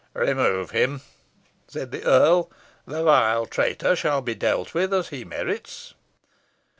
"Remove him," said the earl; "the vile traitor shall be dealt with as he merits.